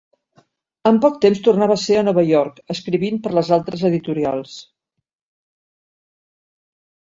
En poc temps tornava a ser a Nova York, escrivint per a les altres editorials.